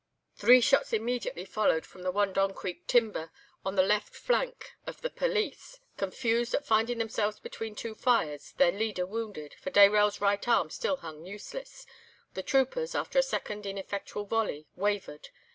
"Three shots immediately followed from the Wandong Creek timber, on the left flank of the police. Confused at finding themselves between two fires, their leader wounded—for Dayrell's right arm still hung useless—the troopers, after a second ineffectual volley, wavered.